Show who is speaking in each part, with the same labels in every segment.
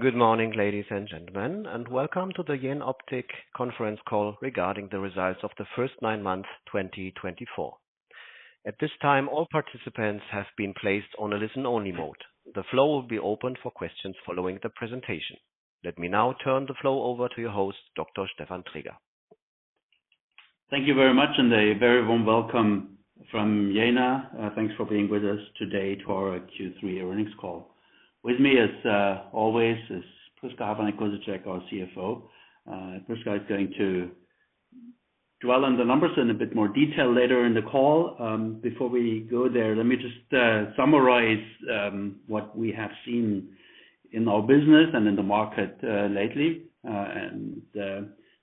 Speaker 1: Good morning, ladies and gentlemen, and welcome to the Jenoptik conference call regarding the results of the first nine months 2024. At this time, all participants have been placed on a listen-only mode. The floor will be open for questions following the presentation. Let me now turn the floor over to your host, Dr. Stefan Traeger.
Speaker 2: Thank you very much, and a very warm welcome from Jena. Thanks for being with us today to our Q3 earnings call. With me, as always, is Prisca Havranek-Kosicek, our CFO. Prisca is going to dwell on the numbers in a bit more detail later in the call. Before we go there, let me just summarize what we have seen in our business and in the market lately, and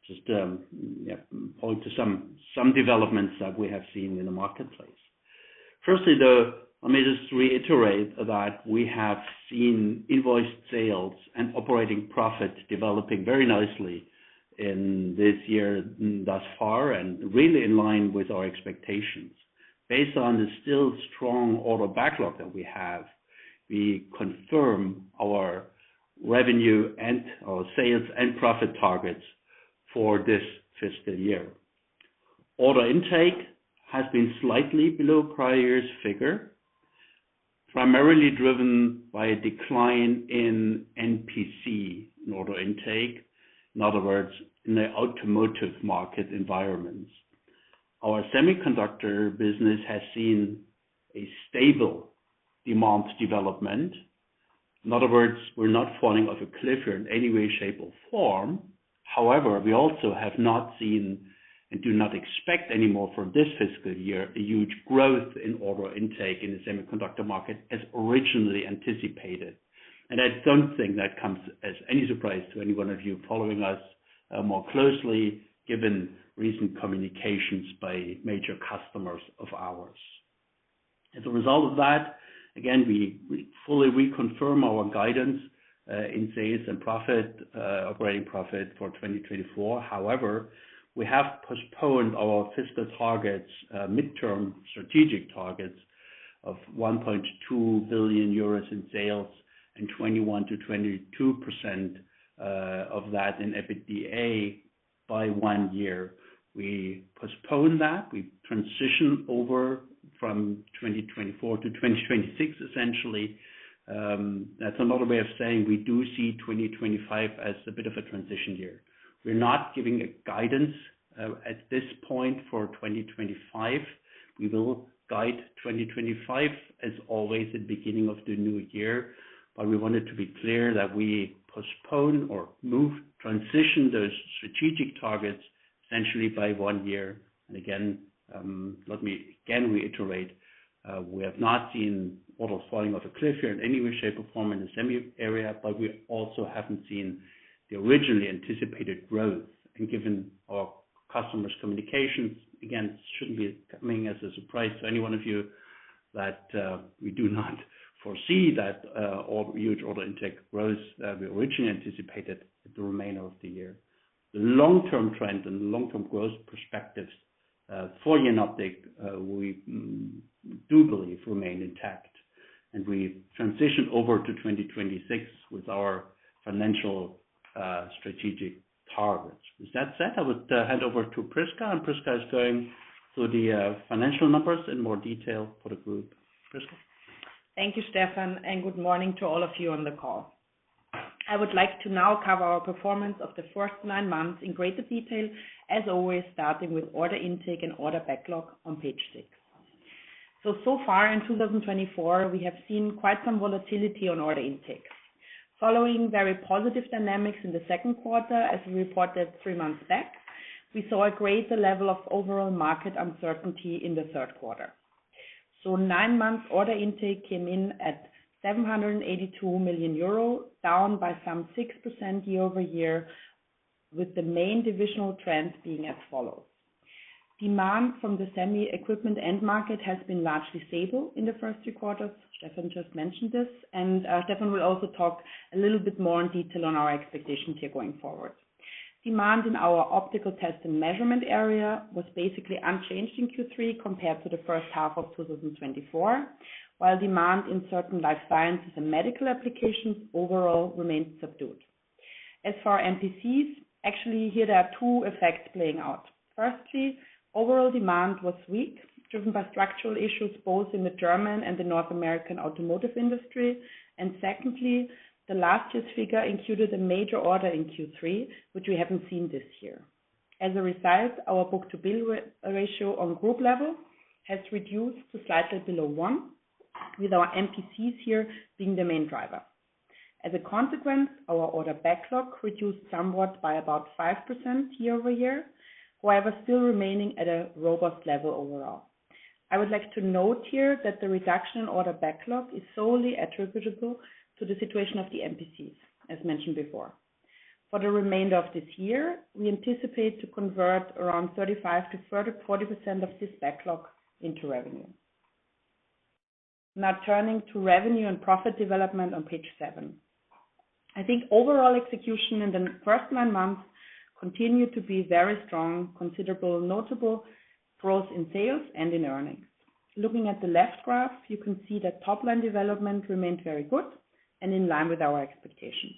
Speaker 2: just point to some developments that we have seen in the marketplace. Firstly, let me just reiterate that we have seen invoice sales and operating profit developing very nicely in this year thus far, and really in line with our expectations. Based on the still strong order backlog that we have, we confirm our revenue and our sales and profit targets for this fiscal year. Order intake has been slightly below prior year's figure, primarily driven by a decline in NPC in order intake, in other words, in the automotive market environments. Our semiconductor business has seen a stable demand development. In other words, we're not falling off a cliff here in any way, shape, or form. However, we also have not seen and do not expect anymore for this fiscal year a huge growth in order intake in the semiconductor market as originally anticipated. And I don't think that comes as any surprise to any one of you following us more closely, given recent communications by major customers of ours. As a result of that, again, we fully reconfirm our guidance in sales and operating profit for 2024. However, we have postponed our fiscal targets, midterm strategic targets of 1.2 billion euros in sales and 21%-22% of that in EBITDA by one year. We postponed that. We transitioned over from 2024 to 2026, essentially. That's another way of saying we do see 2025 as a bit of a transition year. We're not giving guidance at this point for 2025. We will guide 2025, as always, at the beginning of the new year. We wanted to be clear that we postpone or move, transition those strategic targets essentially by one year. Again, let me again reiterate, we have not seen orders falling off a cliff here in any way, shape, or form in the semi area, but we also haven't seen the originally anticipated growth. Given our customers' communications, again, it shouldn't be coming as a surprise to any one of you that we do not foresee that huge order intake growth that we originally anticipated at the remainder of the year. The long-term trend and long-term growth perspectives for Jenoptik, we do believe, remain intact, and we transition over to 2026 with our financial strategic targets. With that said, I would hand over to Prisca, and Prisca is going through the financial numbers in more detail for the group. Prisca.
Speaker 3: Thank you, Stefan, and good morning to all of you on the call. I would like to now cover our performance of the first nine months in greater detail, as always, starting with order intake and order backlog on page six. So far in 2024, we have seen quite some volatility on order intake. Following very positive dynamics in the second quarter, as we reported three months back, we saw a greater level of overall market uncertainty in the third quarter. So, nine-month order intake came in at 782 million euro, down by some 6% year-over-year, with the main divisional trends being as follows. Demand from the semi equipment end market has been largely stable in the first three quarters. Stefan just mentioned this, and Stefan will also talk a little bit more in detail on our expectations here going forward. Demand in our optical test and measurement area was basically unchanged in Q3 compared to the first half of 2024, while demand in certain life sciences and medical applications overall remained subdued. As for NPCs, actually, here there are two effects playing out. Firstly, overall demand was weak, driven by structural issues both in the German and the North American automotive industry, and secondly, the last year's figure included a major order in Q3, which we haven't seen this year. As a result, our book-to-bill ratio on group level has reduced to slightly below one, with our NPCs here being the main driver. As a consequence, our order backlog reduced somewhat by about 5% year-over-year, however, still remaining at a robust level overall. I would like to note here that the reduction in order backlog is solely attributable to the situation of the NPCs, as mentioned before. For the remainder of this year, we anticipate to convert around 35% to 40% of this backlog into revenue. Now turning to revenue and profit development on page seven, I think overall execution in the first nine months continued to be very strong, considerable, notable growth in sales and in earnings. Looking at the left graph, you can see that top-line development remained very good and in line with our expectations.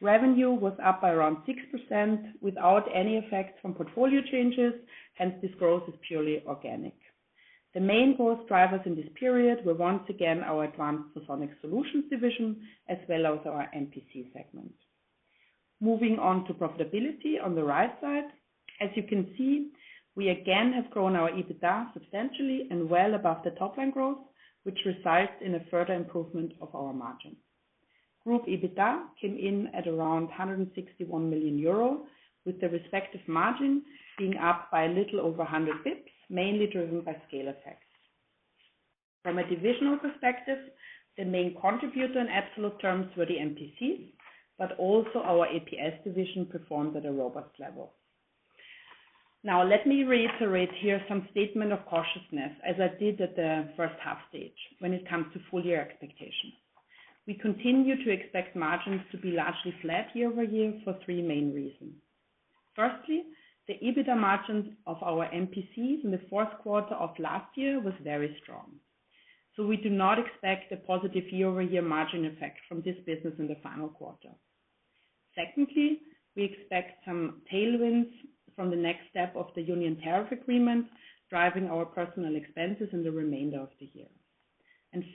Speaker 3: Revenue was up by around 6% without any effect from portfolio changes. Hence, this growth is purely organic. The main growth drivers in this period were once again our Advanced Photonic Solutions division as well as our NPC segment. Moving on to profitability on the right side, as you can see, we again have grown our EBITDA substantially and well above the top-line growth, which results in a further improvement of our margin. Group EBITDA came in at around 161 million euro, with the respective margin being up by a little over 100 basis points, mainly driven by scale effects. From a divisional perspective, the main contributor in absolute terms were the NPCs, but also our APS division performed at a robust level. Now, let me reiterate here some statement of cautiousness, as I did at the first half stage when it comes to full-year expectations. We continue to expect margins to be largely flat year-over-year for three main reasons. Firstly, the EBITDA margins of our NPCs in the fourth quarter of last year were very strong. So, we do not expect a positive year-over-year margin effect from this business in the final quarter. Secondly, we expect some tailwinds from the next step of the union tariff agreement, driving our personal expenses in the remainder of the year.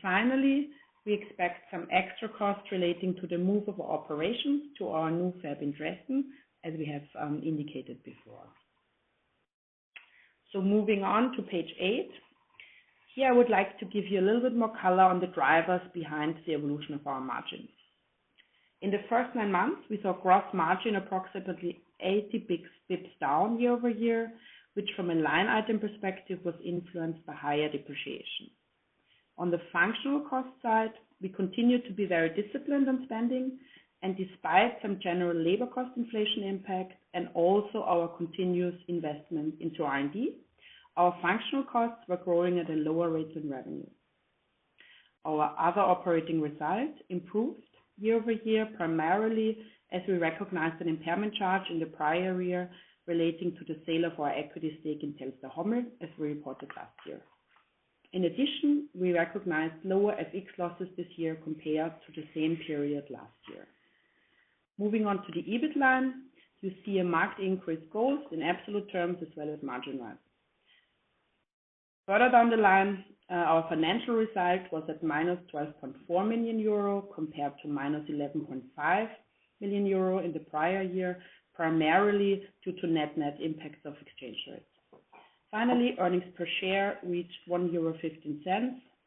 Speaker 3: Finally, we expect some extra costs relating to the move of our operations to our new fab in Dresden, as we have indicated before. Moving on to page eight, here I would like to give you a little bit more color on the drivers behind the evolution of our margins. In the first nine months, we saw gross margin approximately 80 basis points down year-over-year, which from a line item perspective was influenced by higher depreciation. On the functional cost side, we continue to be very disciplined on spending, and despite some general labor cost inflation impact and also our continuous investment into R&D, our functional costs were growing at a lower rate than revenue. Our other operating result improved year-over-year, primarily as we recognized an impairment charge in the prior year relating to the sale of our equity stake in TELSTAR-HOMMEL, as we reported last year. In addition, we recognized lower FX losses this year compared to the same period last year. Moving on to the EBIT line, you see a marked increase both in absolute terms as well as margin-wise. Further down the line, our financial result was at 12.4 million euro compared to 11.5 million euro in the prior year, primarily due to net-net impacts of exchange rates. Finally, earnings per share reached 1.15 euro,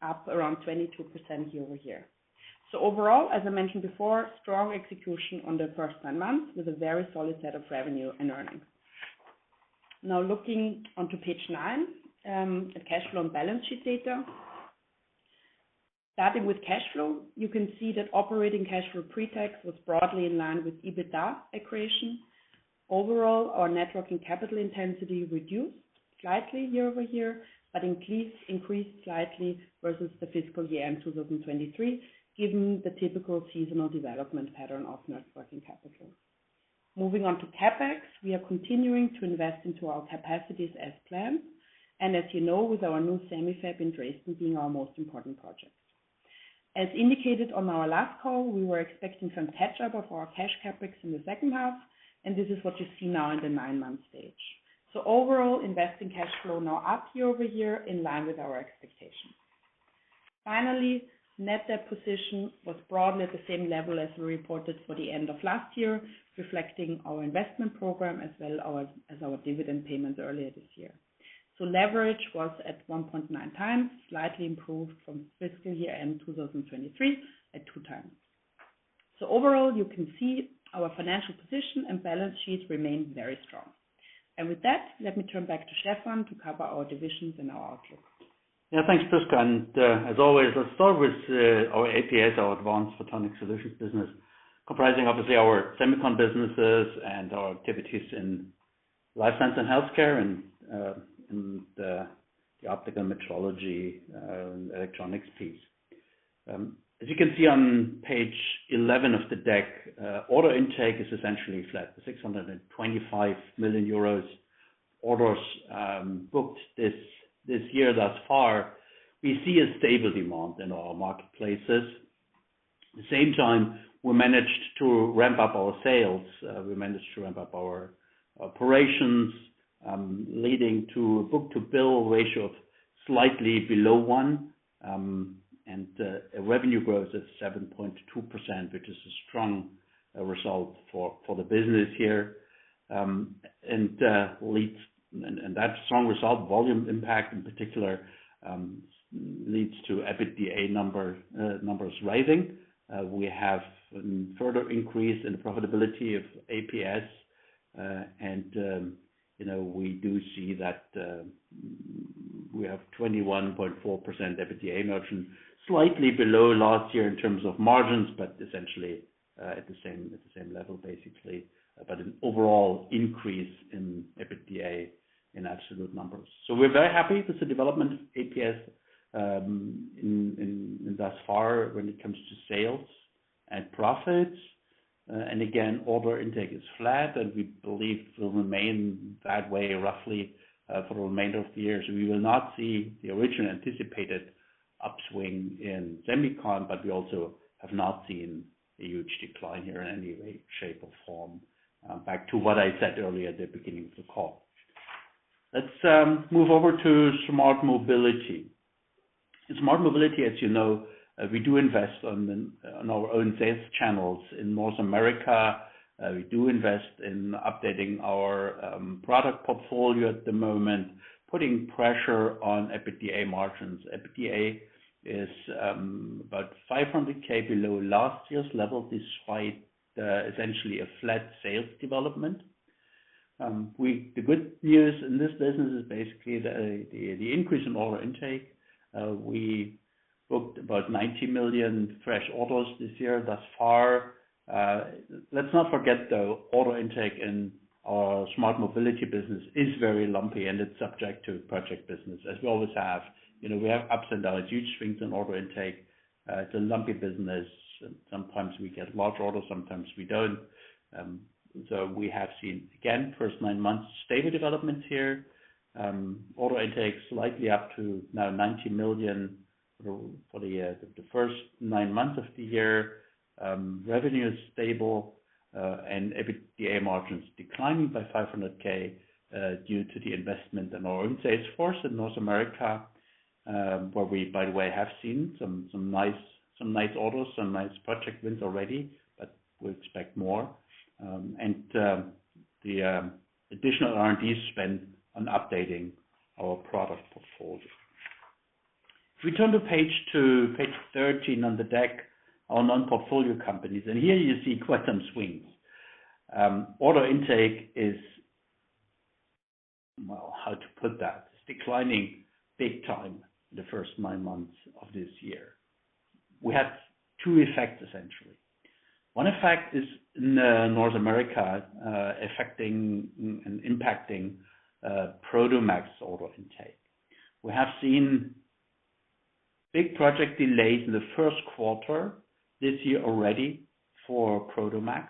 Speaker 3: up around 22% year-over-year. So, overall, as I mentioned before, strong execution on the first nine months with a very solid set of revenue and earnings. Now, looking on to page nine, the cash flow and balance sheet data. Starting with cash flow, you can see that operating cash flow pre-tax was broadly in line with EBITDA accrual. Overall, our net working capital intensity reduced slightly year-over-year, but increased slightly versus the fiscal year in 2023, given the typical seasonal development pattern of net working capital. Moving on to CapEx, we are continuing to invest into our capacities as planned, and as you know, with our new semi fab in Dresden being our most important project. As indicated on our last call, we were expecting some catch-up of our cash CapEx in the second half, and this is what you see now in the nine-month stage. So, overall, investing cash flow now up year-over-year in line with our expectations. Finally, net debt position was broadly at the same level as we reported for the end of last year, reflecting our investment program as well as our dividend payments earlier this year. So, leverage was at 1.9 times, slightly improved from fiscal year end 2023 at two times. So, overall, you can see our financial position and balance sheet remain very strong, and with that, let me turn back to Stefan to cover our divisions and our outlook.
Speaker 2: Yeah, thanks, Prisca. And as always, let's start with our APS, our Advanced Photonic Solutions business, comprising obviously our semiconductor businesses and our activities in life science and healthcare and the optical metrology and electronics piece. As you can see on page 11 of the deck, order intake is essentially flat, 625 million euros orders booked this year thus far. We see a stable demand in our marketplaces. At the same time, we managed to ramp up our sales. We managed to ramp up our operations, leading to a book-to-bill ratio of slightly below one and a revenue growth of 7.2%, which is a strong result for the business here. And that strong result, volume impact in particular, leads to EBITDA numbers rising. We have further increased the profitability of APS, and we do see that we have 21.4% EBITDA margin, slightly below last year in terms of margins, but essentially at the same level, basically, but an overall increase in EBITDA in absolute numbers, so we're very happy with the development of APS thus far when it comes to sales and profits, and again, order intake is flat, and we believe it will remain that way roughly for the remainder of the year, so we will not see the original anticipated upswing in semiconductors, but we also have not seen a huge decline here in any way, shape, or form, back to what I said earlier at the beginning of the call. Let's move over to Smart Mobility. In Smart Mobility, as you know, we do invest on our own sales channels in North America. We do invest in updating our product portfolio at the moment, putting pressure on EBITDA margins. EBITDA is about 500,000 below last year's level, despite essentially a flat sales development. The good news in this business is basically the increase in order intake. We booked about 90 million fresh orders this year thus far. Let's not forget, though, order intake in our Smart Mobility business is very lumpy, and it's subject to project business, as we always have. We have ups and downs, huge swings in order intake. It's a lumpy business. Sometimes we get large orders, sometimes we don't. So, we have seen, again, first nine months, stable developments here. Order intake is slightly up to now 90 million for the first nine months of the year. Revenue is stable, and EBITDA margins are declining by 500,000 due to the investment in our own sales force in North America, where we, by the way, have seen some nice orders, some nice project wins already, but we expect more, and the additional R&D spent on updating our product portfolio. If we turn to page 13 on the deck, our Non-Photonic Portfolio Companies, and here you see quite some swings. Order intake is, well, how to put that, declining big time in the first nine months of this year. We had two effects, essentially. One effect is in North America affecting and impacting Prodomax order intake. We have seen big project delays in the first quarter this year already for Prodomax.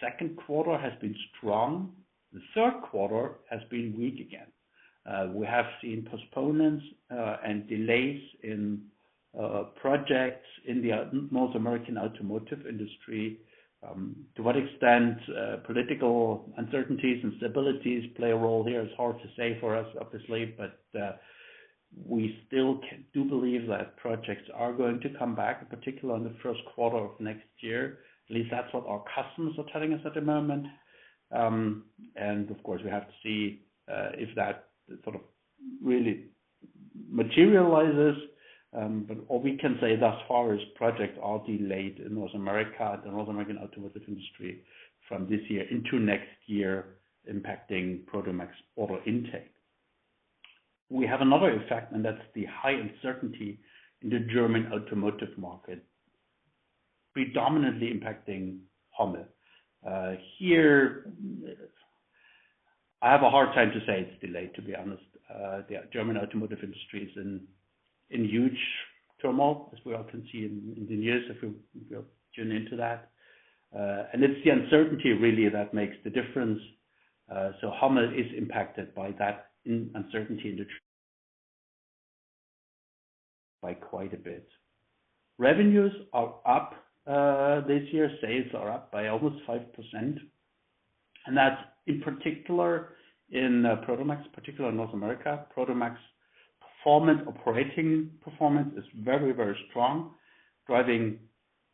Speaker 2: The second quarter has been strong. The third quarter has been weak again. We have seen postponements and delays in projects in the North American automotive industry. To what extent political uncertainties and stabilities play a role here is hard to say for us, obviously, but we still do believe that projects are going to come back, particularly in the first quarter of next year. At least that's what our customers are telling us at the moment, and of course, we have to see if that sort of really materializes, but all we can say thus far is projects are delayed in North America, the North American automotive industry, from this year into next year, impacting Prodomax order intake. We have another effect, and that's the high uncertainty in the German automotive market, predominantly impacting Hommel. Here, I have a hard time to say it's delayed, to be honest. The German automotive industry is in huge turmoil, as we all can see in the news if we all tune into that. It's the uncertainty really that makes the difference. Hommel is impacted by that uncertainty quite a bit. Revenues are up this year. Sales are up by almost 5%. That's in particular in Prodomax, particularly in North America. Prodomax performance, operating performance is very, very strong, driving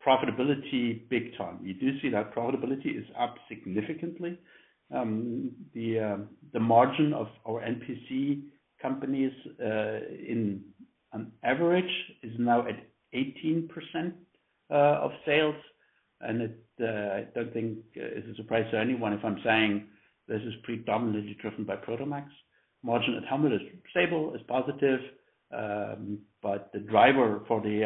Speaker 2: profitability big time. You do see that profitability is up significantly. The margin of our NPC companies on average is now at 18% of sales. I don't think it's a surprise to anyone if I'm saying this is predominantly driven by Prodomax. Margin at Hommel is stable, is positive. The driver for the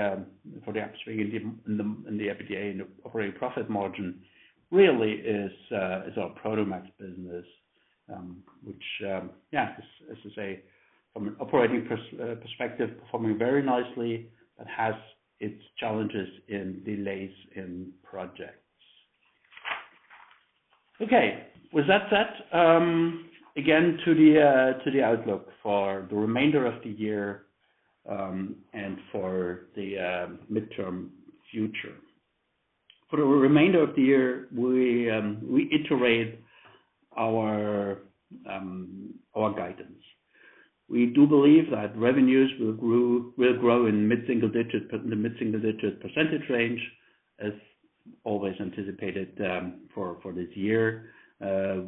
Speaker 2: upswing in the EBITDA and the operating profit margin really is our Prodomax business, which, yeah, as I say, from an operating perspective, performing very nicely, but has its challenges in delays in projects. Okay, with that said, again, to the outlook for the remainder of the year and for the midterm future. For the remainder of the year, we reiterate our guidance. We do believe that revenues will grow in mid-single digit, in the mid-single digit percentage range, as always anticipated for this year.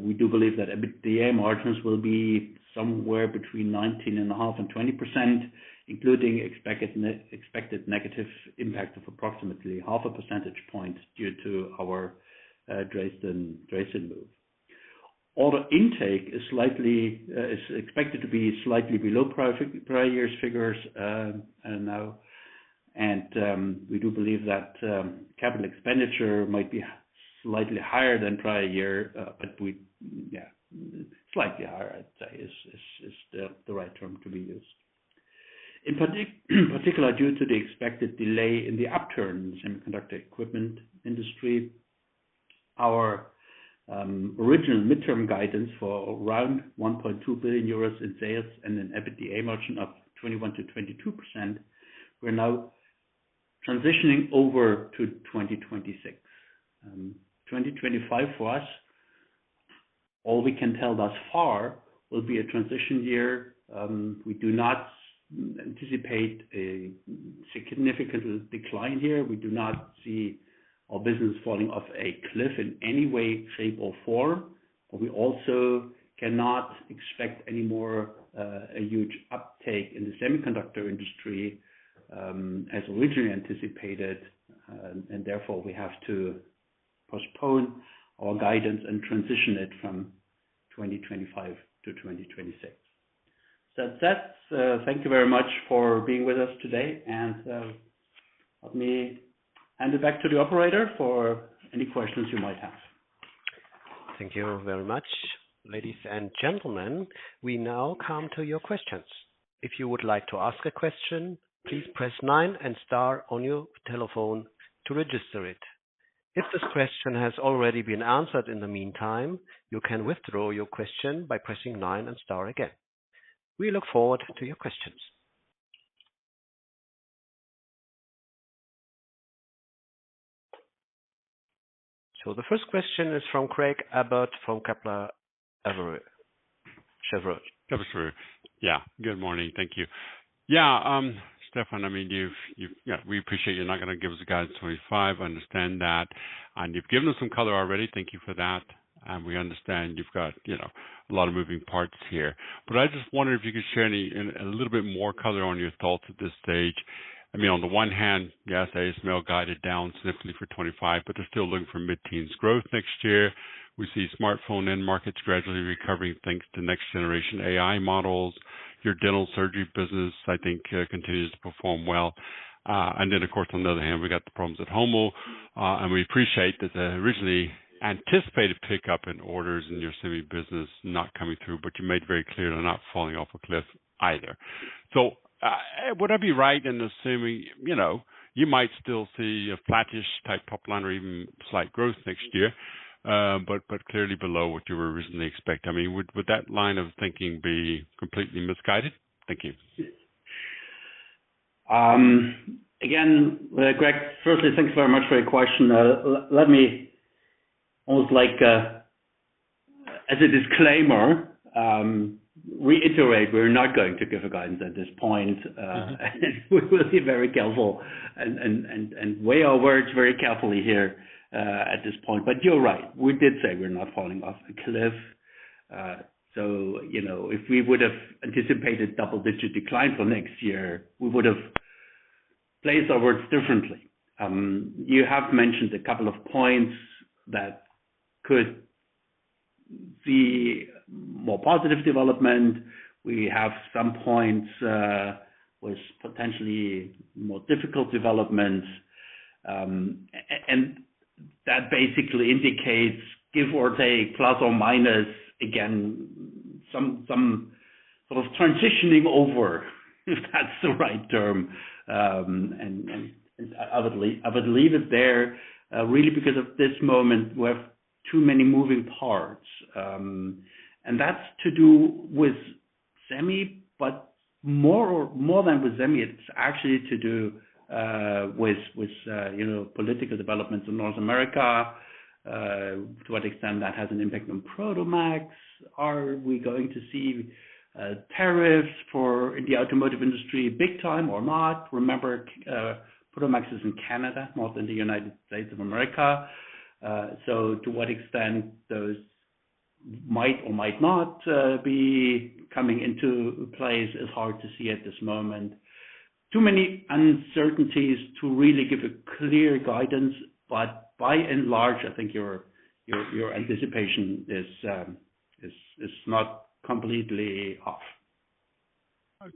Speaker 2: We do believe that EBITDA margins will be somewhere between 19.5% and 20%, including expected negative impact of approximately half a percentage point due to our Dresden move. Order intake is expected to be slightly below prior year's figures now, and we do believe that capital expenditure might be slightly higher than prior year, but slightly higher, I'd say, is the right term to be used. In particular, due to the expected delay in the upturn in the semiconductor equipment industry, our original midterm guidance for around 1.2 billion euros in sales and an EBITDA margin of 21%-22%, we're now transitioning over to 2026. 2025, for us, all we can tell thus far, will be a transition year. We do not anticipate a significant decline here. We do not see our business falling off a cliff in any way, shape, or form, but we also cannot expect anymore a huge uptake in the semiconductor industry as originally anticipated, and therefore we have to postpone our guidance and transition it from 2025 to 2026, so that's it. Thank you very much for being with us today, and let me hand it back to the operator for any questions you might have.
Speaker 1: Thank you very much, ladies and gentlemen. We now come to your questions. If you would like to ask a question, please press nine and star on your telephone to register it. If this question has already been answered in the meantime, you can withdraw your question by pressing nine and star again. We look forward to your questions. So the first question is from Craig Abbott from Kepler Cheuvreux.
Speaker 4: Yeah, good morning. Thank you. Yeah, Stefan, I mean, we appreciate you're not going to give us a guide in 2025. I understand that, and you've given us some color already. Thank you for that. And we understand you've got a lot of moving parts here, but I just wondered if you could share a little bit more color on your thoughts at this stage. I mean, on the one hand, yes, ASML guided down significantly for 2025, but they're still looking for mid-teens growth next year. We see smartphone end markets gradually recovering thanks to next-generation AI models. Your dental surgery business, I think, continues to perform well, and then, of course, on the other hand, we got the problems at Hommel. We appreciate that the originally anticipated pickup in orders in your semi business not coming through, but you made very clear they're not falling off a cliff either. Would I be right in assuming you might still see a flattish-type top line or even slight growth next year, but clearly below what you were originally expecting? I mean, would that line of thinking be completely misguided? Thank you.
Speaker 2: Again, Craig, firstly, thanks very much for your question. Let me almost like as a disclaimer, reiterate, we're not going to give a guidance at this point. We will be very careful and weigh our words very carefully here at this point. But you're right. We did say we're not falling off a cliff. So if we would have anticipated double-digit decline for next year, we would have placed our words differently. You have mentioned a couple of points that could be more positive development. We have some points with potentially more difficult developments. And that basically indicates, give or take, plus or minus, again, some sort of transitioning over, if that's the right term. And I would leave it there really because at this moment, we have too many moving parts. That's to do with semi, but more than with semi, it's actually to do with political developments in North America. To what extent that has an impact on Prodomax? Are we going to see tariffs for the automotive industry big time or not? Remember, Prodomax is in Canada, not in the United States of America. So to what extent those might or might not be coming into place is hard to see at this moment. Too many uncertainties to really give a clear guidance, but by and large, I think your anticipation is not completely off.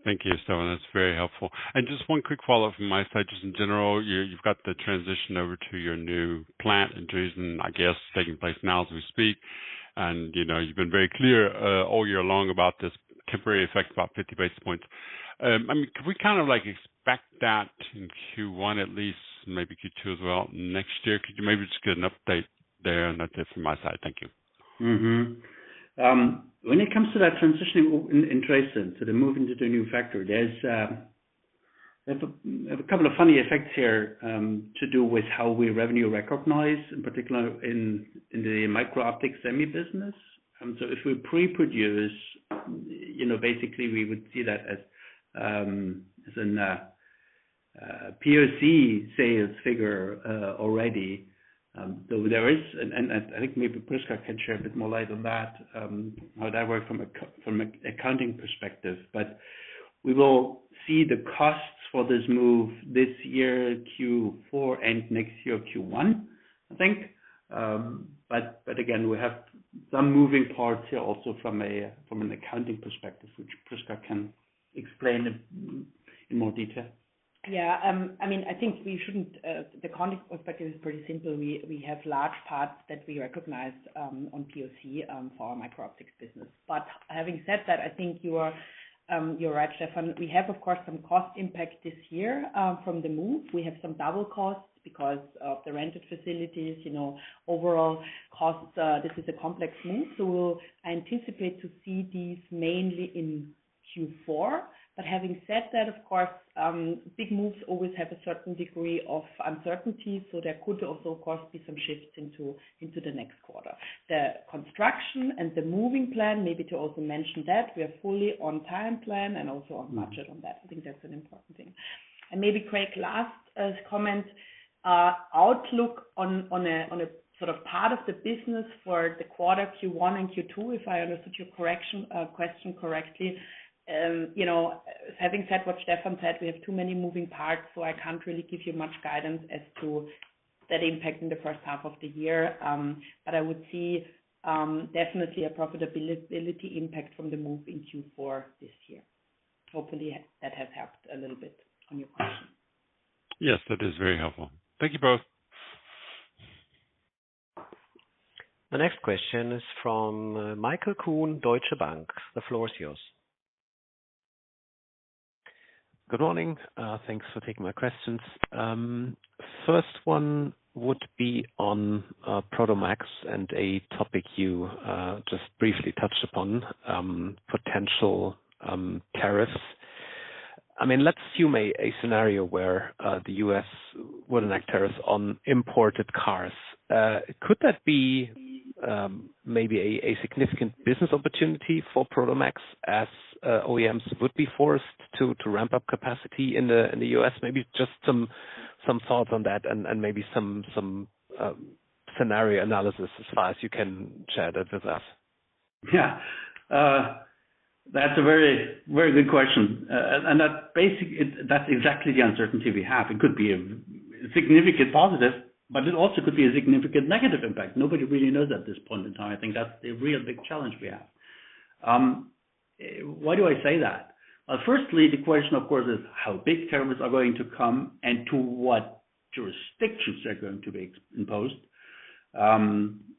Speaker 4: Thank you, Stefan. That's very helpful. And just one quick follow-up from my side. Just in general, you've got the transition over to your new plant in Dresden, I guess, taking place now as we speak. And you've been very clear all year long about this temporary effect, about 50 basis points. I mean, could we kind of expect that in Q1 at least, maybe Q2 as well next year? Could you maybe just get an update there? And that's it from my side. Thank you.
Speaker 2: When it comes to that transition in Dresden to the moving to the new factory, there's a couple of funny effects here to do with how we revenue recognize, in particular in the micro-optics semi business. So if we pre-produce, basically, we would see that as a POC sales figure already. Though there is, and I think maybe Prisca can share a bit more light on that, how that works from an accounting perspective. But we will see the costs for this move this year, Q4, and next year, Q1, I think. But again, we have some moving parts here also from an accounting perspective, which Prisca can explain in more detail.
Speaker 3: Yeah. I mean, I think the accounting perspective is pretty simple. We have large parts that we recognize on POC for our micro-optics business. But having said that, I think you're right, Stefan. We have, of course, some cost impact this year from the move. We have some double costs because of the rented facilities. Overall costs, this is a complex move. So we'll anticipate to see these mainly in Q4. But having said that, of course, big moves always have a certain degree of uncertainty. So there could also, of course, be some shifts into the next quarter. The construction and the moving plan, maybe to also mention that we are fully on timeplan and also on budget on that. I think that's an important thing. Maybe, Craig, last comment, outlook on a sort of part of the business for the quarter, Q1 and Q2, if I understood your question correctly. Having said what Stefan said, we have too many moving parts, so I can't really give you much guidance as to that impact in the first half of the year. But I would see definitely a profitability impact from the move in Q4 this year. Hopefully, that has helped a little bit on your question.
Speaker 4: Yes, that is very helpful. Thank you both.
Speaker 1: The next question is from Michael Kuhn, Deutsche Bank. The floor is yours.
Speaker 5: Good morning. Thanks for taking my questions. First one would be on Prodomax and a topic you just briefly touched upon, potential tariffs. I mean, let's assume a scenario where the U.S. would enact tariffs on imported cars. Could that be maybe a significant business opportunity for Prodomax as OEMs would be forced to ramp up capacity in the U.S.? Maybe just some thoughts on that and maybe some scenario analysis as far as you can share that with us.
Speaker 2: Yeah. That's a very good question, and that's exactly the uncertainty we have. It could be a significant positive, but it also could be a significant negative impact. Nobody really knows at this point in time. I think that's the real big challenge we have. Why do I say that? Well, firstly, the question, of course, is how big tariffs are going to come and to what jurisdictions they're going to be imposed,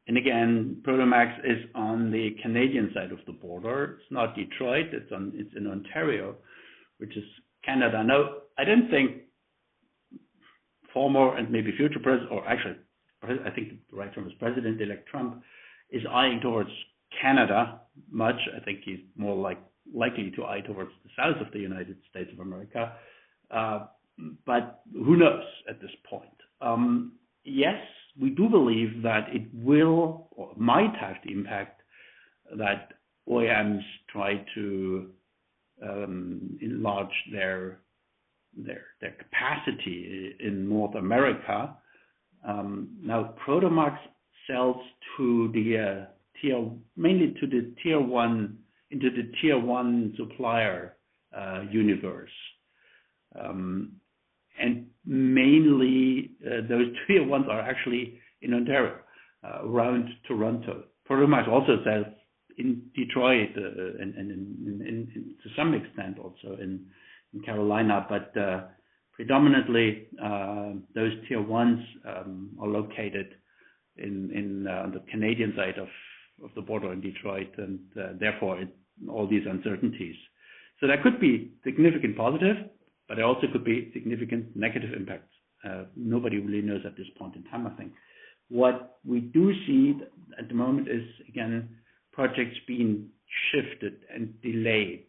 Speaker 2: and again, Prodomax is on the Canadian side of the border. It's not Detroit. It's in Ontario, which is Canada. Now, I don't think former and maybe future president, or actually, I think the right term is president-elect Trump, is eyeing towards Canada much. I think he's more likely to eye towards the south of the United States of America, but who knows at this point? Yes, we do believe that it will or might have the impact that OEMs try to enlarge their capacity in North America. Now, Prodomax sells mainly to the Tier 1 supplier universe. And mainly, those Tier 1s are actually in Ontario, around Toronto. Prodomax also sells in Detroit and to some extent also in Carolina. But predominantly, those Tier 1s are located on the Canadian side of the border in Detroit, and therefore, all these uncertainties. So that could be a significant positive, but there also could be significant negative impacts. Nobody really knows at this point in time, I think. What we do see at the moment is, again, projects being shifted and delayed.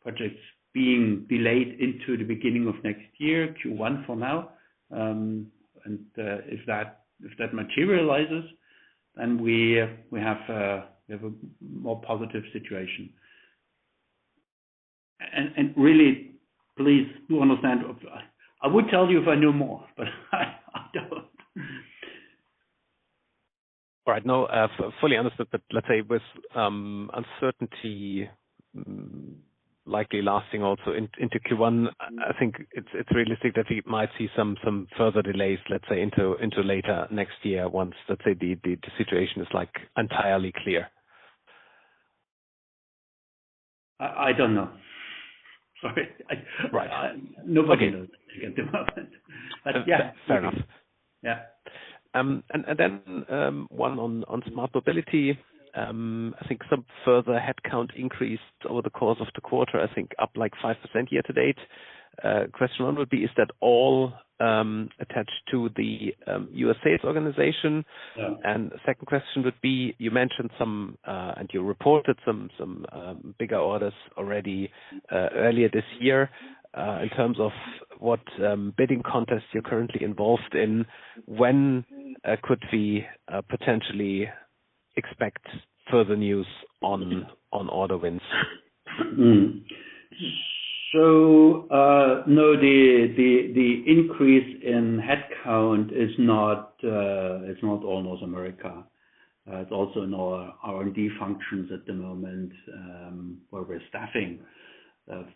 Speaker 2: Projects being delayed into the beginning of next year, Q1 for now. And if that materializes, then we have a more positive situation. Really, please do understand, I would tell you if I knew more, but I don't.
Speaker 5: All right. No, fully understood. But let's say with uncertainty likely lasting also into Q1, I think it's realistic that we might see some further delays, let's say, into later next year once, let's say, the situation is entirely clear.
Speaker 2: I don't know. Sorry.
Speaker 5: Right.
Speaker 2: Nobody knows at the moment. But yeah.
Speaker 5: Fair enough.
Speaker 2: Yeah.
Speaker 5: And then one on Smart Mobility. I think some further headcount increased over the course of the quarter, I think, up like 5% year to date. Question one would be, is that all attached to the U.S. sales organization? And second question would be, you mentioned some and you reported some bigger orders already earlier this year in terms of what bidding contests you're currently involved in. When could we potentially expect further news on order wins?
Speaker 2: So no, the increase in headcount is not all North America. It's also in our R&D functions at the moment where we're staffing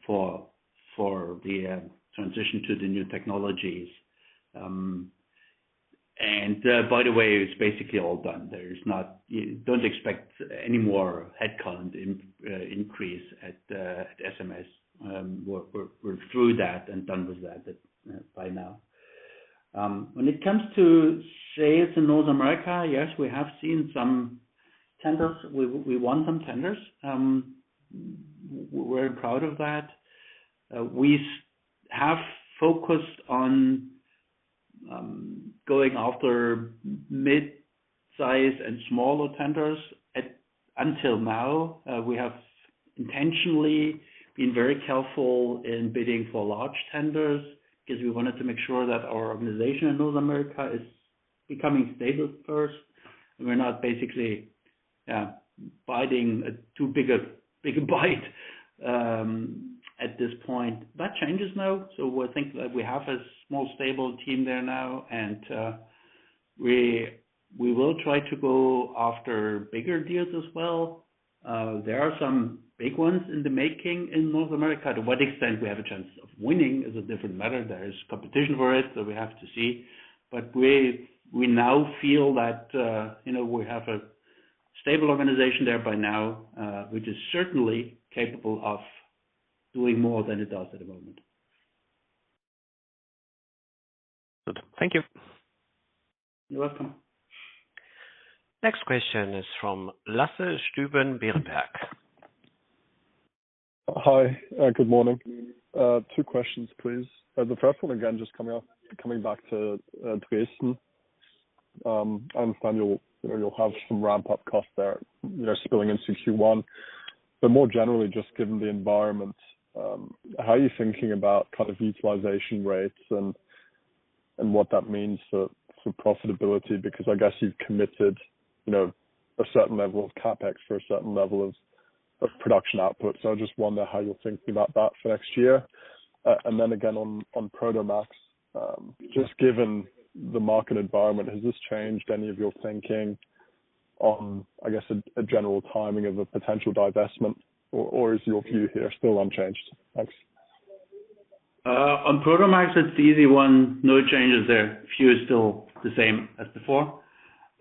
Speaker 2: for the transition to the new technologies. And by the way, it's basically all done. You don't expect any more headcount increase at SMS. We're through that and done with that by now. When it comes to sales in North America, yes, we have seen some tenders. We won some tenders. We're very proud of that. We have focused on going after mid-size and smaller tenders until now. We have intentionally been very careful in bidding for large tenders because we wanted to make sure that our organization in North America is becoming stable first. We're not basically biting a too big a bite at this point. That changes now. So I think that we have a small, stable team there now. We will try to go after bigger deals as well. There are some big ones in the making in North America. To what extent we have a chance of winning is a different matter. There is competition for it, so we have to see. But we now feel that we have a stable organization there by now, which is certainly capable of doing more than it does at the moment.
Speaker 5: Good. Thank you.
Speaker 2: You're welcome.
Speaker 1: Next question is from Lasse Stüben of Berenberg.
Speaker 6: Hi. Good morning. Two questions, please. The first one, again, just coming back to Dresden. I understand you'll have some ramp-up costs there spilling into Q1. But more generally, just given the environment, how are you thinking about kind of utilization rates and what that means for profitability? Because I guess you've committed a certain level of CapEx for a certain level of production output. So I just wonder how you're thinking about that for next year? And then again, on Prodomax, just given the market environment, has this changed any of your thinking on, I guess, a general timing of a potential divestment? Or is your view here still unchanged? Thanks.
Speaker 2: On Prodomax, it's the easy one. No changes there. Q2 is still the same as before,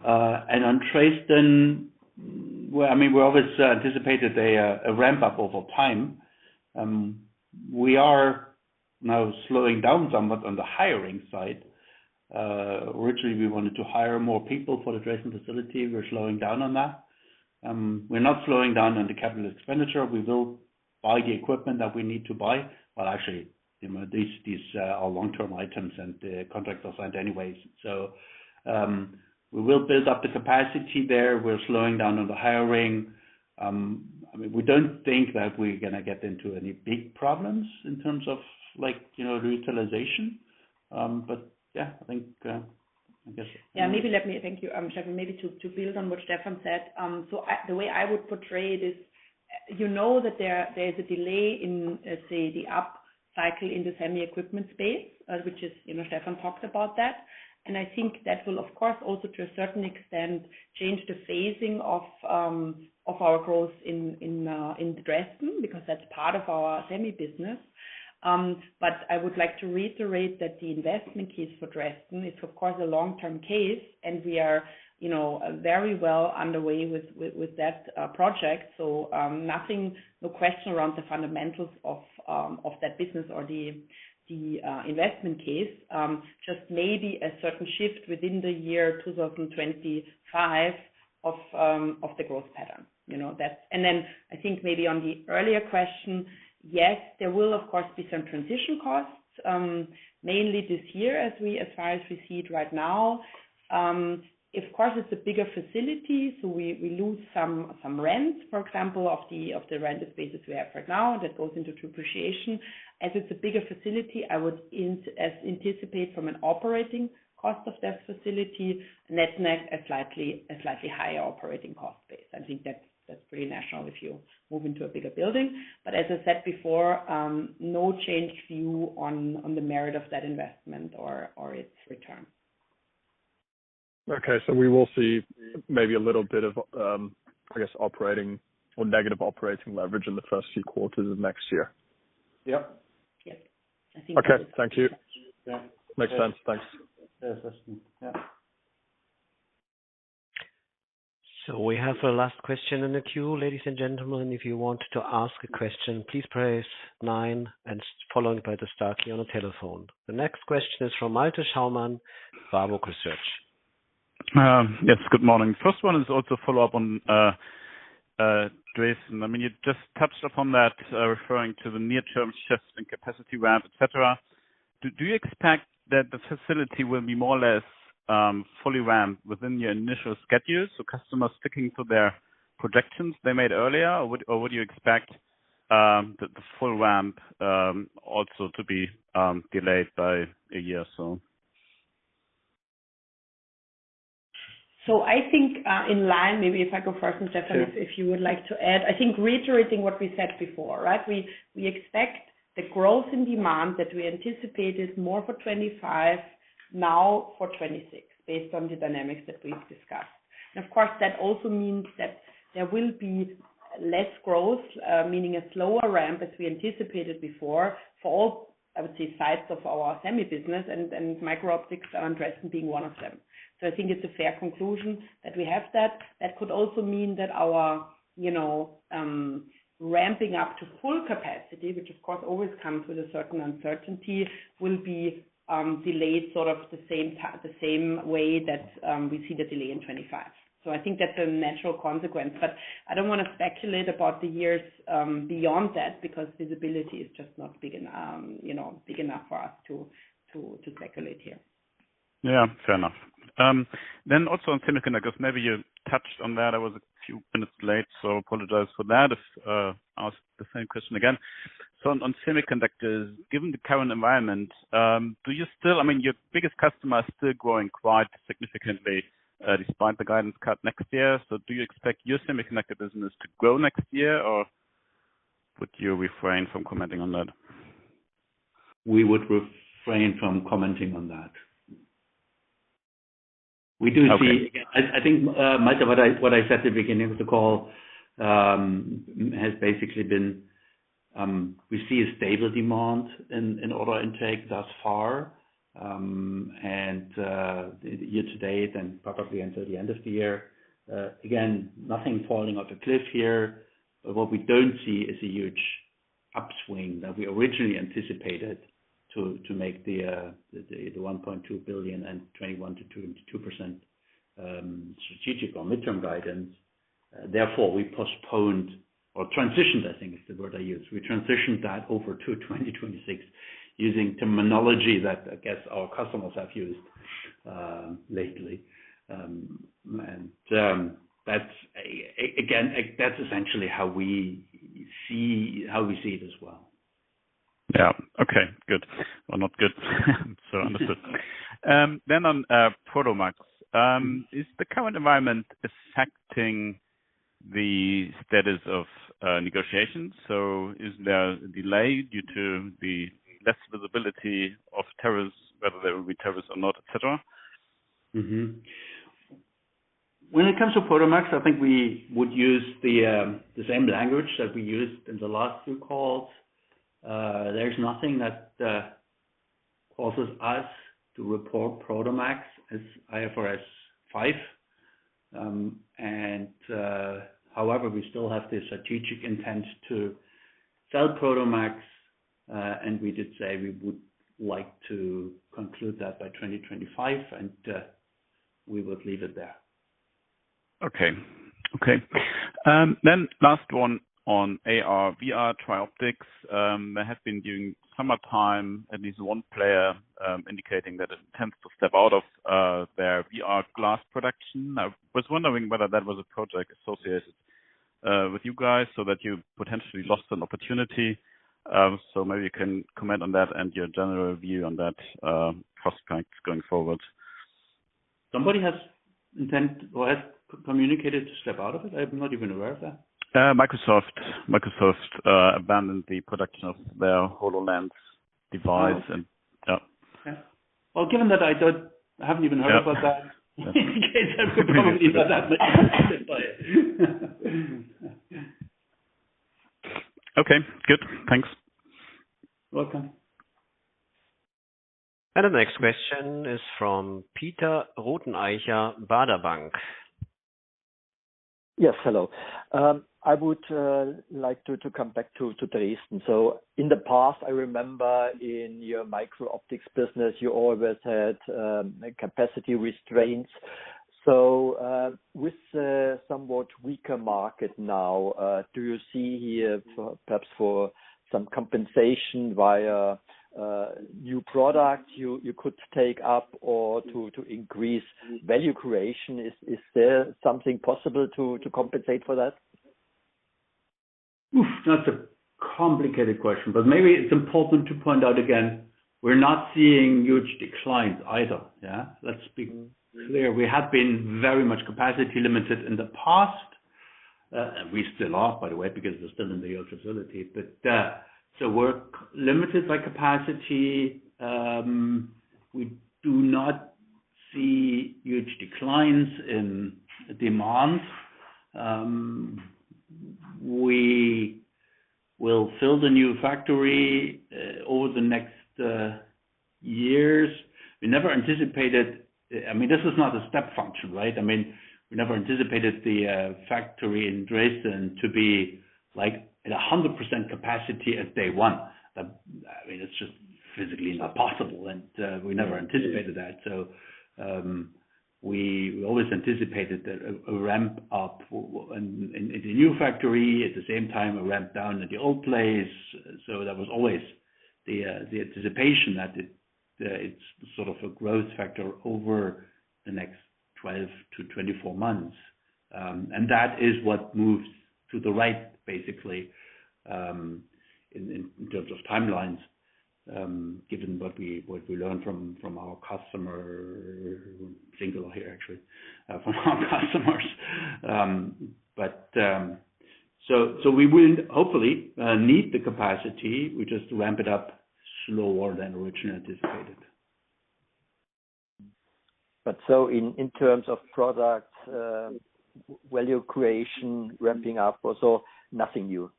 Speaker 2: and on Dresden, I mean, we always anticipated a ramp-up over time. We are now slowing down somewhat on the hiring side. Originally, we wanted to hire more people for the Dresden facility. We're slowing down on that. We're not slowing down on the capital expenditure. We will buy the equipment that we need to buy. Well, actually, these are long-term items and the contracts are signed anyways. So we will build up the capacity there. We're slowing down on the hiring. I mean, we don't think that we're going to get into any big problems in terms of utilization. But yeah, I think, I guess.
Speaker 3: Yeah. Thank you, Stefan. Maybe to build on what Stefan said, so the way I would portray it is you know that there is a delay in, let's say, the up cycle in the semi equipment space, which is Stefan talked about that. And I think that will, of course, also to a certain extent change the phasing of our growth in Dresden because that's part of our semi business. But I would like to reiterate that the investment case for Dresden is, of course, a long-term case, and we are very well underway with that project. So no question around the fundamentals of that business or the investment case. Just maybe a certain shift within the year 2025 of the growth pattern. And then I think maybe on the earlier question, yes, there will, of course, be some transition costs, mainly this year, as far as we see it right now. Of course, it's a bigger facility, so we lose some rents, for example, of the rented spaces we have right now, and that goes into depreciation. As it's a bigger facility, I would anticipate from an operating cost of that facility, net net, a slightly higher operating cost base. I think that's pretty natural if you move into a bigger building. But as I said before, no change view on the merit of that investment or its return.
Speaker 6: Okay. So we will see maybe a little bit of, I guess, operating or negative operating leverage in the first few quarters of next year.
Speaker 2: Yep.
Speaker 3: Yep. I think so.
Speaker 6: Okay. Thank you. Makes sense. Thanks.
Speaker 2: Yeah.
Speaker 1: So we have a last question in the queue, ladies and gentlemen. If you want to ask a question, please press nine and followed by the star key on a telephone. The next question is from Malte Schaumann. Warburg Research.
Speaker 7: Yes. Good morning. First one is also a follow-up on Dresden. I mean, you just touched upon that referring to the near-term shift in capacity ramp, etc. Do you expect that the facility will be more or less fully ramped within your initial schedule? So customers sticking to their projections they made earlier, or would you expect the full ramp also to be delayed by a year or so?
Speaker 3: So I think in line, maybe if I go first, Stefan, if you would like to add. I think reiterating what we said before, right? We expect the growth in demand that we anticipated more for 2025, now for 2026, based on the dynamics that we've discussed. And of course, that also means that there will be less growth, meaning a slower ramp as we anticipated before for all, I would say, sides of our semi business, and micro-optics around Dresden being one of them. So I think it's a fair conclusion that we have that. That could also mean that our ramping up to full capacity, which, of course, always comes with a certain uncertainty, will be delayed sort of the same way that we see the delay in 2025. So I think that's a natural consequence. But I don't want to speculate about the years beyond that because visibility is just not big enough for us to speculate here.
Speaker 7: Yeah. Fair enough. Then also on semiconductors, maybe you touched on that. I was a few minutes late, so I apologize for that. I'll ask the same question again. So on semiconductors, given the current environment, do you still? I mean, your biggest customer is still growing quite significantly despite the guidance cut next year. So do you expect your semiconductor business to grow next year, or would you refrain from commenting on that?
Speaker 2: We would refrain from commenting on that. We do see again, I think, Malte, what I said at the beginning of the call has basically been we see a stable demand in order intake thus far and year to date, and probably until the end of the year, again, nothing falling off a cliff here. What we don't see is a huge upswing that we originally anticipated to make the 1.2 billion and 21%-22% strategic or midterm guidance. Therefore, we postponed or transitioned, I think is the word I use. We transitioned that over to 2026 using terminology that, I guess, our customers have used lately. And again, that's essentially how we see it as well.
Speaker 7: Yeah. Okay. Good. Well, not good. So understood. Then on Prodomax, is the current environment affecting the status of negotiations? So is there a delay due to the less visibility of tariffs, whether there will be tariffs or not, etc.?
Speaker 2: When it comes to Prodomax, I think we would use the same language that we used in the last few calls. There's nothing that causes us to report Prodomax as IFRS 5. And however, we still have the strategic intent to sell Prodomax, and we did say we would like to conclude that by 2025, and we would leave it there.
Speaker 7: Okay. Okay. Then, last one on AR/VR TriOptics. There has been, during summertime, at least one player indicating that it attempts to step out of their VR glass production. I was wondering whether that was a project associated with you guys so that you potentially lost an opportunity. So maybe you can comment on that and your general view on that prospect going forward.
Speaker 2: Somebody has communicated to step out of it? I'm not even aware of that.
Speaker 7: Microsoft. Microsoft abandoned the production of their HoloLens device. Yeah.
Speaker 2: Given that I haven't even heard about that, in case I could probably not have been invited by it.
Speaker 7: Okay. Good. Thanks.
Speaker 2: You're welcome.
Speaker 1: The next question is from Peter Rothenaicher, Baader Bank.
Speaker 8: Yes. Hello. I would like to come back to Dresden. So in the past, I remember in your micro-optics business, you always had capacity constraints. So with a somewhat weaker market now, do you see here perhaps for some compensation via new products you could take up or to increase value creation? Is there something possible to compensate for that?
Speaker 2: That's a complicated question, but maybe it's important to point out again, we're not seeing huge declines either. Yeah? Let's be clear. We have been very much capacity limited in the past. We still are, by the way, because we're still in the old facility, but so we're limited by capacity. We do not see huge declines in demand. We will fill the new factory over the next years. We never anticipated I mean, this is not a step function, right? I mean, we never anticipated the factory in Dresden to be at 100% capacity at day one. I mean, it's just physically not possible, and we never anticipated that, so we always anticipated a ramp-up in the new factory, at the same time a ramp-down at the old place, so that was always the anticipation that it's sort of a growth factor over the next 12-24 months. And that is what moves to the right, basically, in terms of timelines, given what we learned from our customer signal here, actually, from our customers. But so we will hopefully need the capacity. We just ramp it up slower than originally anticipated.
Speaker 8: But so in terms of product, value creation, ramping up, also nothing new?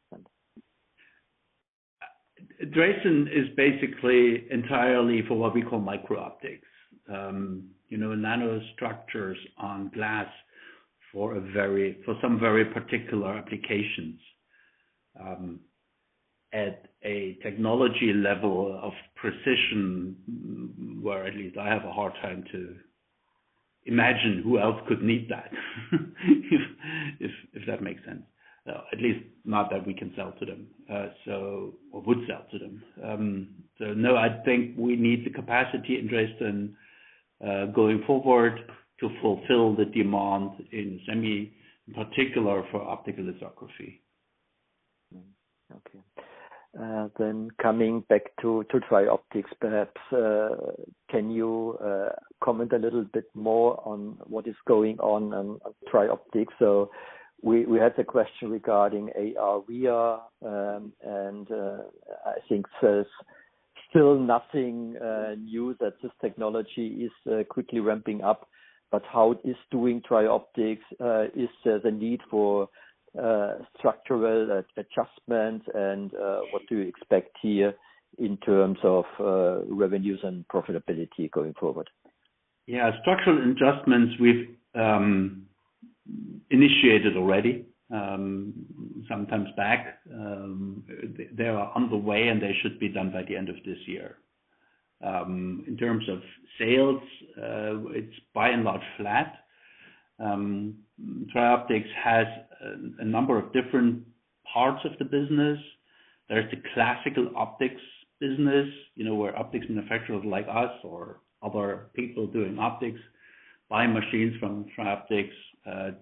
Speaker 2: Dresden is basically entirely for what we call micro-optics, nanostructures on glass for some very particular applications at a technology level of precision where at least I have a hard time to imagine who else could need that, if that makes sense. At least not that we can sell to them or would sell to them. So no, I think we need the capacity in Dresden going forward to fulfill the demand in semi, in particular for optical lithography.
Speaker 8: Okay. Then, coming back to TriOptics, perhaps, can you comment a little bit more on what is going on at TriOptics? So we had the question regarding AR/VR, and I think there's still nothing new that this technology is quickly ramping up. But how is TriOptics doing? Is there the need for structural adjustments, and what do you expect here in terms of revenues and profitability going forward?
Speaker 2: Yeah. Structural adjustments we've initiated already some time back. They are underway, and they should be done by the end of this year. In terms of sales, it's by and large flat. TriOptics has a number of different parts of the business. There's the classical optics business where optics manufacturers like us or other people doing optics buy machines from TriOptics to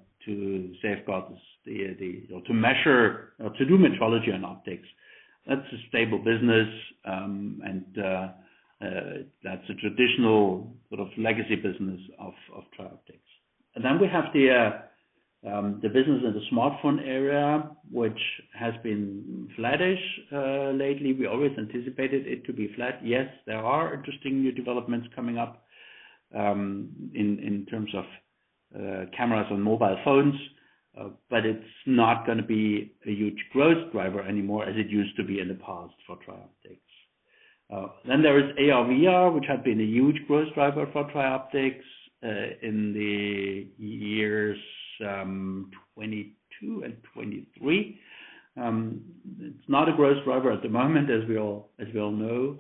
Speaker 2: measure or to do metrology on optics. That's a stable business, and that's a traditional sort of legacy business of TriOptics. And then we have the business in the smartphone area, which has been flattish lately. We always anticipated it to be flat. Yes, there are interesting new developments coming up in terms of cameras on mobile phones, but it's not going to be a huge growth driver anymore as it used to be in the past for TriOptics. Then there is AR/VR, which had been a huge growth driver for TriOptics in the years 2022 and 2023. It's not a growth driver at the moment, as we all know.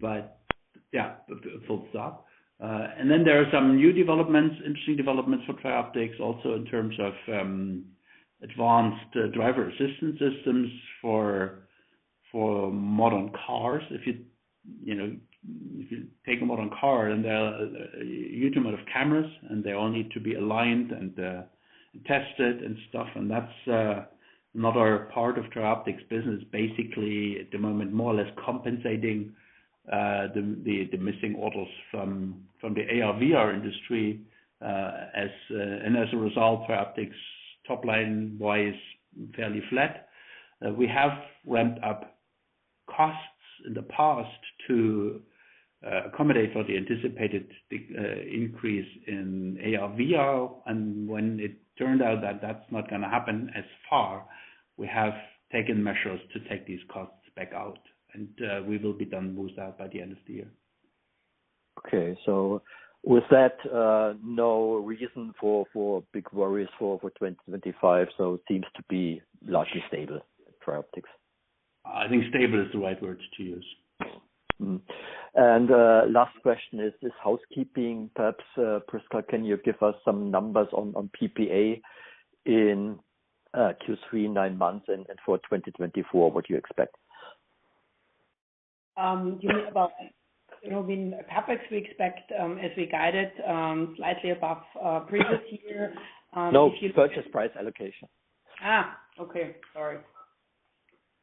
Speaker 2: But yeah, full stop. And then there are some new developments, interesting developments for TriOptics also in terms of advanced driver assistance systems for modern cars. If you take a modern car, and there are a huge amount of cameras, and they all need to be aligned and tested and stuff. And that's another part of TriOptics' business, basically at the moment more or less compensating the missing orders from the AR/VR industry. And as a result, TriOptics' top line way is fairly flat. We have ramped up costs in the past to accommodate for the anticipated increase in AR/VR. When it turned out that that's not going to happen as far, we have taken measures to take these costs back out, and we will be done with that by the end of the year.
Speaker 8: Okay. So with that, no reason for big worries for 2025. So it seems to be largely stable at TriOptics.
Speaker 2: I think stable is the right word to use.
Speaker 8: And last question is housekeeping. Perhaps, Prisca, can you give us some numbers on PPA in Q3, nine months, and for 2024, what do you expect?
Speaker 3: Do you mean about, I mean, CapEx we expect as we guided slightly above previous year?
Speaker 8: No, purchase price allocation.
Speaker 3: Okay, sorry.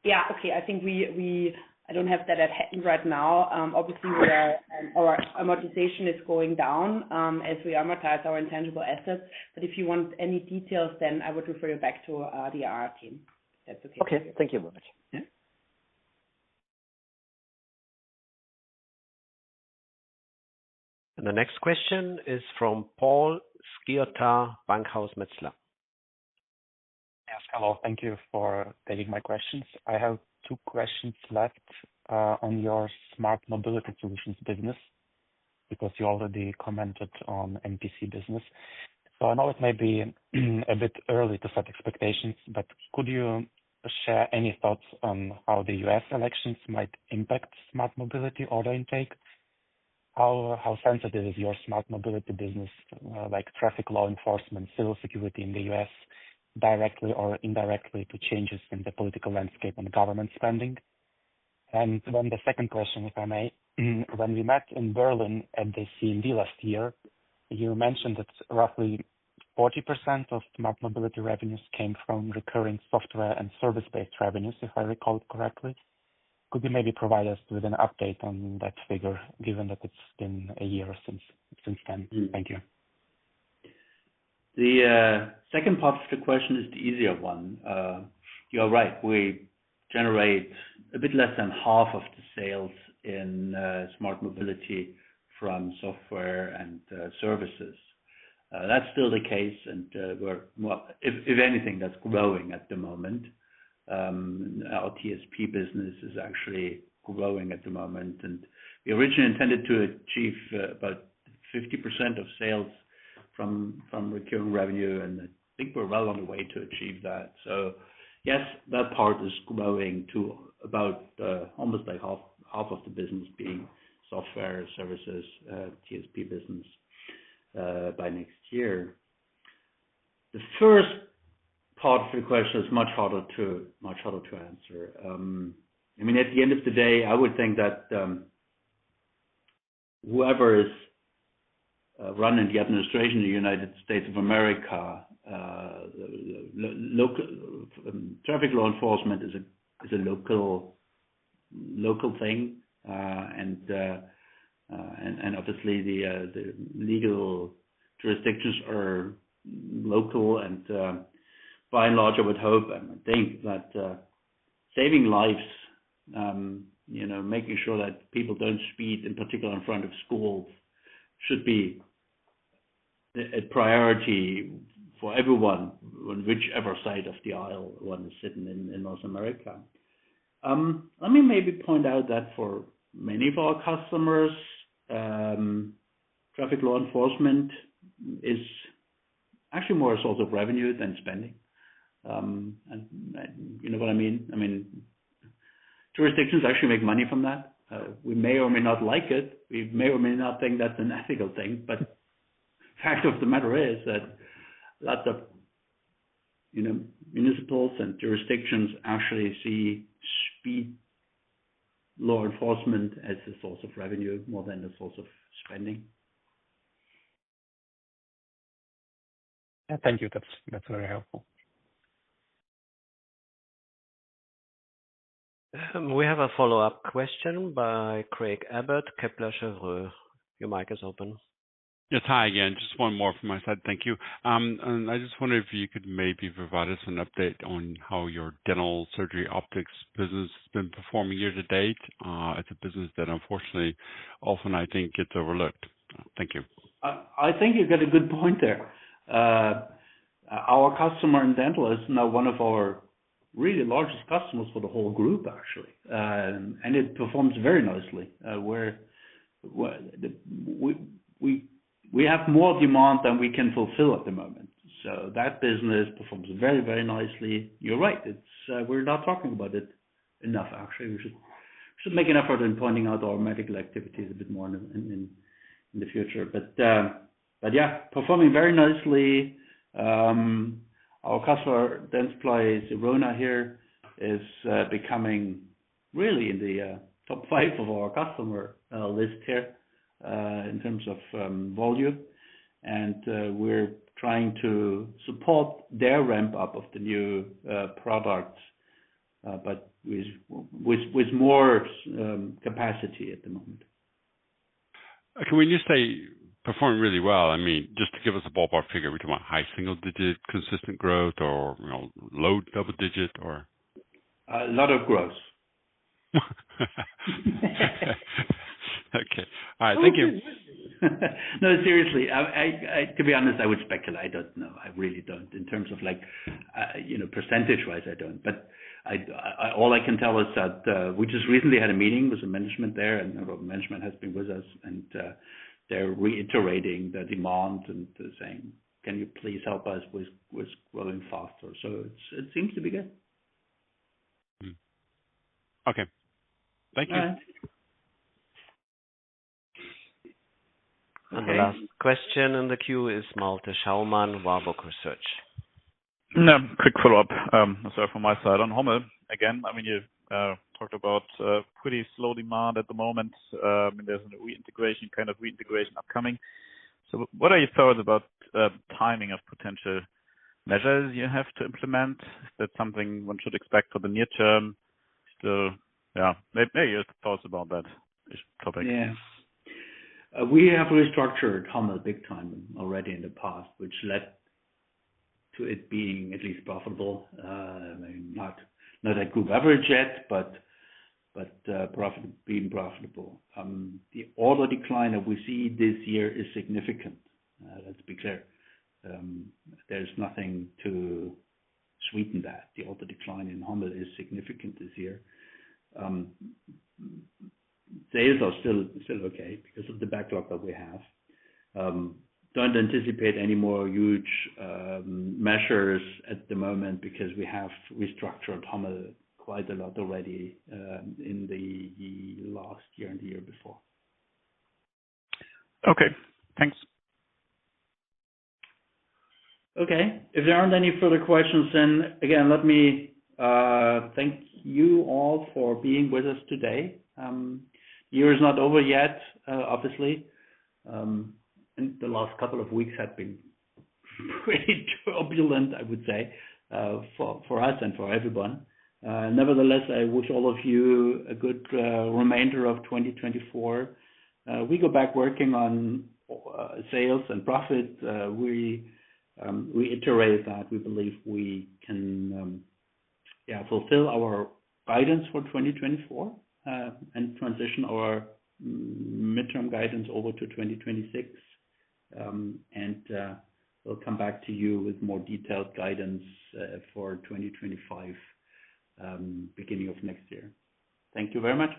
Speaker 3: I think I don't have that at hand right now. Obviously, our amortization is going down as we amortize our intangible assets. But if you want any details, then I would refer you back to the IR team, if that's okay.
Speaker 8: Okay. Thank you very much.
Speaker 1: The next question is from Pal Skirta, Bankhaus Metzler.
Speaker 9: Yes. Hello. Thank you for taking my questions. I have two questions left on your Smart Mobility solutions business because you already commented on NPC business. So I know it may be a bit early to set expectations, but could you share any thoughts on how the U.S. elections might impact Smart Mobility order intake? How sensitive is your Smart Mobility business, like traffic law enforcement, civil security in the U.S., directly or indirectly to changes in the political landscape and government spending? And then the second question, if I may, when we met in Berlin at the CMD last year, you mentioned that roughly 40% of Smart Mobility revenues came from recurring software and service-based revenues, if I recall correctly. Could you maybe provide us with an update on that figure, given that it's been a year since then? Thank you.
Speaker 2: The second part of the question is the easier one. You're right. We generate a bit less than half of the sales in Smart Mobility from software and services. That's still the case, and if anything, that's growing at the moment. Our TSP business is actually growing at the moment. And we originally intended to achieve about 50% of sales from recurring revenue, and I think we're well on the way to achieve that. So yes, that part is growing to about almost half of the business being software services, TSP business by next year. The first part of the question is much harder to answer. I mean, at the end of the day, I would think that whoever is running the administration in the United States of America, traffic law enforcement is a local thing. Obviously, the legal jurisdictions are local, and by and large, I would hope and think that saving lives, making sure that people don't speed, in particular in front of schools, should be a priority for everyone on whichever side of the aisle one is sitting in North America. Let me maybe point out that for many of our customers, traffic law enforcement is actually more a source of revenue than spending. You know what I mean? I mean, jurisdictions actually make money from that. We may or may not like it. We may or may not think that's an ethical thing. But the fact of the matter is that lots of municipals and jurisdictions actually see speed law enforcement as a source of revenue more than a source of spending.
Speaker 9: Yeah. Thank you. That's very helpful.
Speaker 1: We have a follow-up question by Craig Abbott, Kepler Cheuvreux. Your mic is open.
Speaker 4: Yes. Hi again. Just one more from my side. Thank you, and I just wonder if you could maybe provide us an update on how your dental surgery optics business has been performing year to date as a business that unfortunately, often, I think, gets overlooked. Thank you.
Speaker 2: I think you've got a good point there. Our customer in dental is now one of our really largest customers for the whole group, actually, and it performs very nicely. We have more demand than we can fulfill at the moment, so that business performs very, very nicely. You're right. We're not talking about it enough, actually. We should make an effort in pointing out our medical activities a bit more in the future, but yeah, performing very nicely. Our customer, Dentsply Sirona here, is becoming really in the top five of our customer list here in terms of volume, and we're trying to support their ramp-up of the new product, but with more capacity at the moment.
Speaker 4: Can we just say performing really well? I mean, just to give us a ballpark figure, we're talking about high single-digit consistent growth or low double-digit or?
Speaker 2: A lot of growth.
Speaker 4: Okay. All right. Thank you.
Speaker 2: No, seriously. To be honest, I would speculate. I don't know. I really don't. In terms of percentage-wise, I don't. But all I can tell is that we just recently had a meeting with the management there, and the management has been with us, and they're reiterating the demand and saying, "Can you please help us with growing faster?" So it seems to be good.
Speaker 4: Okay. Thank you.
Speaker 1: The last question in the queue is Malte Schaumann, Warburg Research.
Speaker 7: Quick follow-up, sorry, from my side on Hommel. Again, I mean, you talked about pretty slow demand at the moment. I mean, there's an integration, kind of reintegration upcoming. So what are your thoughts about timing of potential measures you have to implement? Is that something one should expect for the near term? Yeah. Maybe your thoughts about that topic.
Speaker 2: Yes. We have restructured Hommel big time already in the past, which led to it being at least profitable. Not at group average yet, but being profitable. The order decline that we see this year is significant. Let's be clear. There's nothing to sweeten that. The order decline in Hommel is significant this year. Sales are still okay because of the backlog that we have. Don't anticipate any more huge measures at the moment because we have restructured Hommel quite a lot already in the last year and the year before.
Speaker 7: Okay. Thanks.
Speaker 2: Okay. If there aren't any further questions, then again, let me thank you all for being with us today. The year is not over yet, obviously. And the last couple of weeks have been pretty turbulent, I would say, for us and for everyone. Nevertheless, I wish all of you a good remainder of 2024. We go back working on sales and profit. We reiterate that we believe we can fulfill our guidance for 2024 and transition our midterm guidance over to 2026. And we'll come back to you with more detailed guidance for 2025, beginning of next year. Thank you very much.